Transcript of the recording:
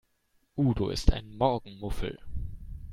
Udo ist ein Morgenmuffel.